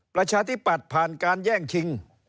ประชาธิปัตย์ผ่านการแย่งชิง